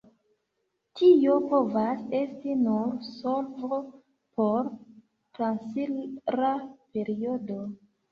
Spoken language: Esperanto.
Tio povas esti nur solvo por transira periodo.